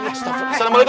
kita cari bunga suara itu